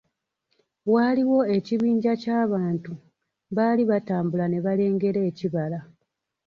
Waaliwo ekibinja kya bantu, baali batambula ne balengera ekibala.